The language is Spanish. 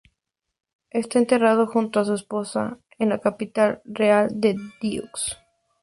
Está enterrado junto a su esposa en la Capilla Real de Dreux.